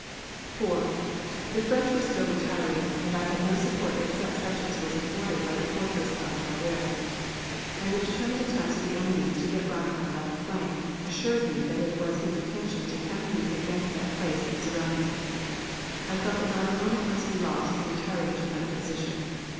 "4. The French were still retiring, and I had no support except such as was afforded by the Fortress of Maubeuge; and the determined attempts of the enemy to get round my left flank assured me that it was his intention to hem me against that place and surround me. I felt that not a moment must be lost in retiring to another position.